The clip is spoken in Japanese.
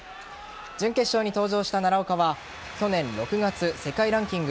準決勝に登場した奈良岡は去年６月世界ランキング